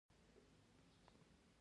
کویلیو ډیر ملي او نړیوال جایزې ګټلي دي.